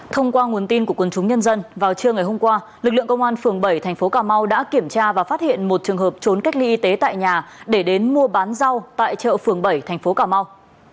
thông qua nguồn tin của quân chúng nhân dân vào trưa ngày hôm qua lực lượng công an phường bảy thành phố cà mau đã kiểm tra và phát hiện một trường hợp trốn cách ly y tế tại nhà để đến mua bán rau tại chợ phường bảy thành phố cà mau